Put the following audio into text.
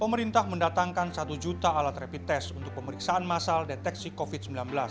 pemerintah mendatangkan satu juta alat rapid test untuk pemeriksaan masal deteksi covid sembilan belas